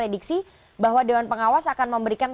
prediksi bahwa dewan pengawas akan memberikan